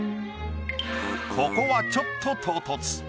ここはちょっと唐突。